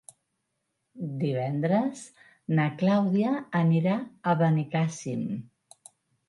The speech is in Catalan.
Divendres na Clàudia anirà a Benicàssim.